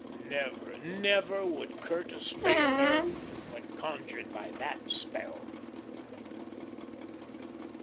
Never, never would Curtis fail her when conjured by that spell.